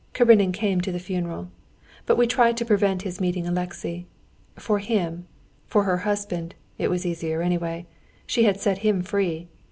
Karenin came to the funeral. But we tried to prevent his meeting Alexey. For him, for her husband, it was easier, anyway. She had set him free.